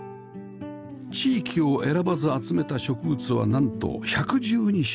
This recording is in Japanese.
地域を選ばず集めた植物はなんと１１２種類